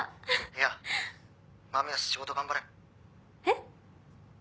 「いや麻美は仕事頑張れ」えっ？